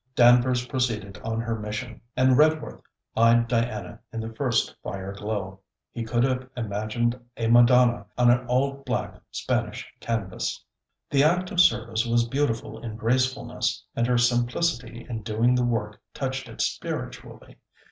Danvers proceeded on her mission, and Redworth eyed Diana in the first fire glow. He could have imagined a Madonna on an old black Spanish canvas. The act of service was beautiful in gracefulness, and her simplicity in doing the work touched it spiritually.